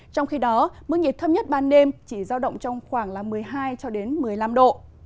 trong khi đó mức nhiệt thấp nhất ban đêm chỉ giao động trong khoảng một mươi hai một mươi năm độ